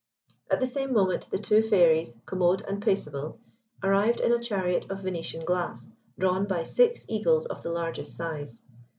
At the same moment the two fairies, Commode and Paisible, arrived in a chariot of Venetian glass, drawn by six eagles of the largest size.